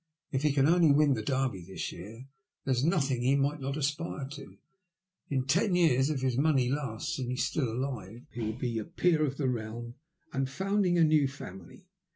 If he can only win the Derby this year, there is nothing he might not aspire to. In ten years, if his money lasts and he is still alive, he will be a peer of the realm and founding a new family."